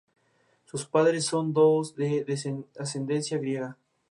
Sus padres son de ascendencia griega.